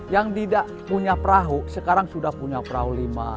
yang tidak punya perahu sekarang sudah punya perahu lima